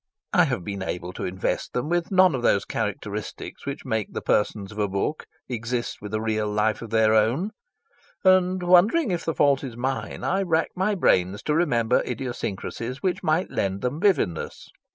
I have been able to invest them with none of those characteristics which make the persons of a book exist with a real life of their own; and, wondering if the fault is mine, I rack my brains to remember idiosyncrasies which might lend them vividness.